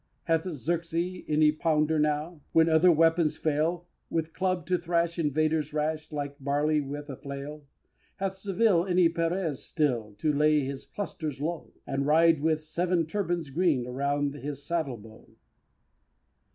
Hath Xeres any Pounder now, When other weapons fail, With club to thrash invaders rash, Like barley with a flail? Hath Seville any Perez still, To lay his clusters low, And ride with seven turbans green Around his saddle bow?